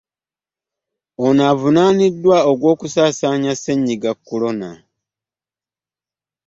Ono avunaaniddwa ogw'okusaasaanya ssennyiga Corona.